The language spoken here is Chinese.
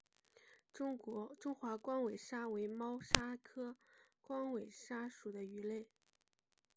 中华光尾鲨为猫鲨科光尾鲨属的鱼类。